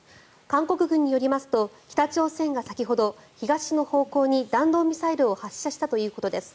韓国軍によりますと北朝鮮が先ほど東の方向に弾道ミサイルを発射したということです。